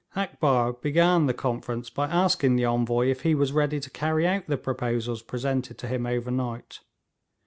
Akbar began the conference by asking the Envoy if he was ready to carry out the proposals presented to him overnight.